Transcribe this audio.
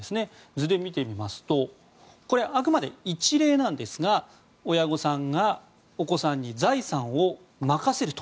図で見てみますとこれはあくまで１例ですが親御さんがお子さんに財産を任せると。